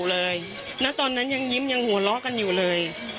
เลยณตอนนั้นยังยิ้มยังหัวเราะกันอยู่เลย